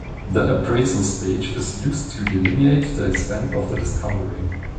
The Appraisal stage is used to delineate the extent of the discovery.